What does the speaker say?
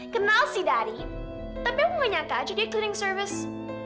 kenal sih daddy tapi emang nggak nyangka aja dia cleaning service